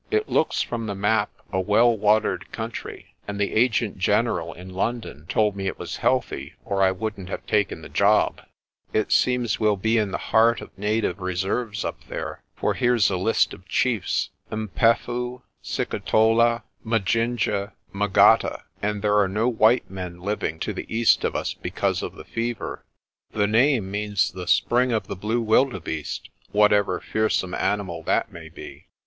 It looks from the map a well watered country, and the Agent General in London told me it was healthy or I wouldn't have taken the job. It seems we'll 30 PRESTER JOHN be in the heart of native reserves up there, for here's a list of chiefs 'Mpefu, Sikitola, Majinje, Magata; and there are no white men living to the east of us because of the fever. The name means the Spring of the blue wildebeeste,' what ever fearsome animal that may be.